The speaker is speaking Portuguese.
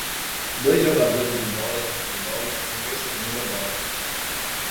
Dois jogadores de bola de futebol estão perseguindo a bola.